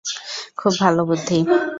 খুব ভালো বুদ্ধি!